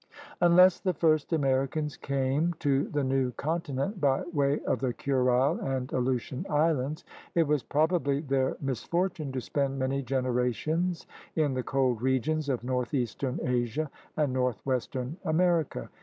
Unless the first Americans came to the new con tinent by way of the Kurile and Aleutian Islands, 18 THE RED MAN'S CONTINENT it was probably their misfortune to spend many generations in the cold regions of northeastern Asia and northwestern America.